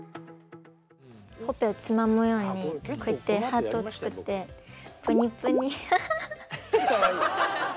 ほっぺをつまむようにこうやってハートを作ってぷにぷにハハハ。